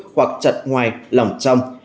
hoặc chặt ngoài lòng trong